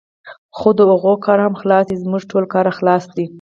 خو د هغوی کار هم خلاص دی، زموږ ټولو کار خلاص دی.